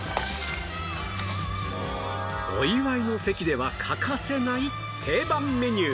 お祝いの席では欠かせない定番メニュー